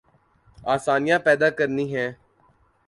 آسانیاں پیدا کرنی ہیں۔